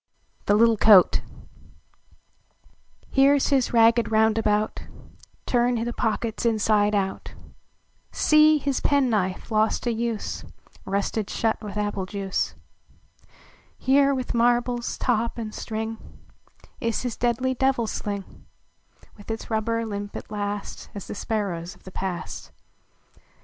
THE LITTLE COAT HERE S his ragged "roundabout"; Turn the pockets inside out : See ; his pen knife, lost to use, Rusted shut with apple juice: Here, with marbles, top and string, Is his deadly " devil sling," With its rubber, limp at last As the sparrows of the past!